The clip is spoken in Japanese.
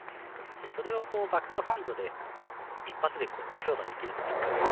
それをバックハンドで一発で強打できるっていう。